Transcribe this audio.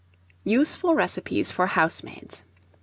USEFUL RECIPES FOR HOUSEMAIDS.